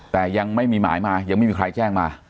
แต่ยังไม่มีหมายมายังไม่มีใครแจ้งมา